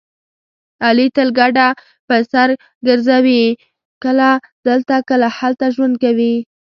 علي تل کډه په سر ګرځوي کله دلته کله هلته ژوند کوي.